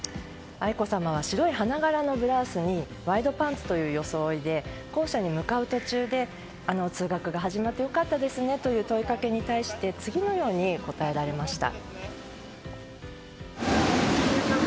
愛子さまは白い花柄のブラウスにワイドパンツという装いで校舎に向かう途中で通学が始まって良かったですねという問いかけに対して次のように答えられました。